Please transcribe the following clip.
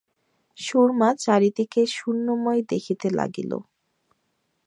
সুরমা চারিদিকে শূন্যময় দেখিতে লাগিল।